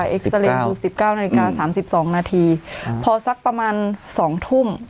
สิบเก้าสิบเก้านาฬิกาสามสิบสองนาทีครับพอสักประมาณสองทุ่ม